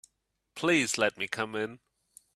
Please let me come in.